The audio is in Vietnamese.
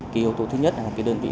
kỳ yếu tố thứ nhất là đơn vị đấy